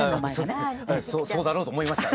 そうだろうと思いました。